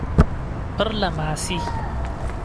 پڕ لە ماسی